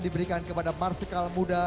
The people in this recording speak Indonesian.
diberikan kepada marsikal muda